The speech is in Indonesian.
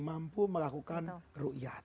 mampu melakukan ruqyah